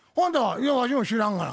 「いやわしも知らんがな」。